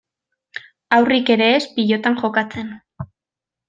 Haurrik ere ez pilotan jokatzen.